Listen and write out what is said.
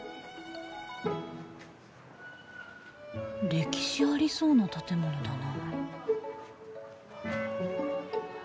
歴史ありそうな建物だなあ。